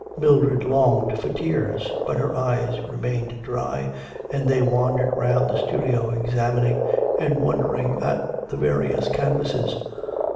Mildred longed for tears, but her eyes remained dry, and they wandered round the studio examining and wondering at the various canvases.